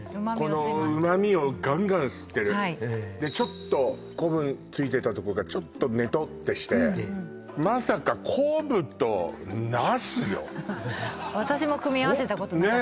この旨味をガンガン吸ってるええでちょっと昆布ついてたとこがちょっとネトッてして私も組み合わせたことなかったです